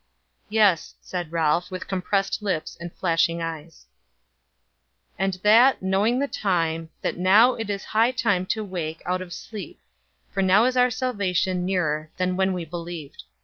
"Yes," said Ralph, with compressed lips and flashing eyes. "And that, knowing the time, that now it is high time to awake out of sleep; for now is our salvation nearer than when we believed."